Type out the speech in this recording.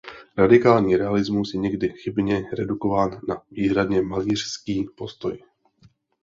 Radikální realismus je někdy chybně redukován na výhradně malířský postoj.